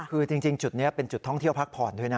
คือจริงจุดนี้เป็นจุดท่องเที่ยวพักผ่อนด้วยนะ